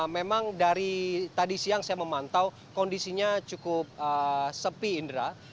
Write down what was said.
memang dari tadi siang saya memantau kondisinya cukup sepi indra